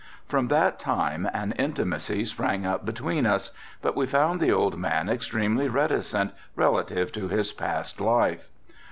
From that time an intimacy sprang up between us but we found the old man extremely reticent relative to his past life.